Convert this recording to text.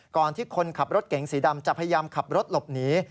ก่อนที่คนขับรถเก๋งสีดำจะพยายามขับรถหลบหนี